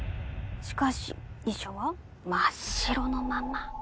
しかし遺書は真っ白のまま。